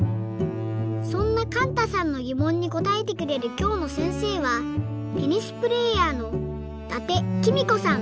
そんなかんたさんのぎもんにこたえてくれるきょうのせんせいはテニスプレーヤーの伊達公子さん。